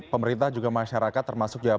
pemerintah pusat maupun pemerintah daerah